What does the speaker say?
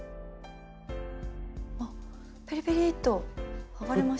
あっピリピリッと剥がれましたね。